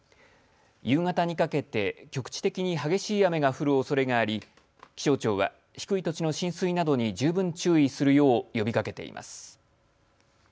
夕方にかけて局地的に激しい雨が降るおそれがあり気象庁は低い土地の浸水などに十分注意するよう呼びかけています。